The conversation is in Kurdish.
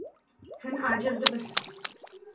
Hûn aciz dibin.